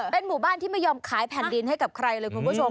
เป็นหมู่บ้านที่ไม่ยอมขายแผ่นดินให้กับใครเลยคุณผู้ชม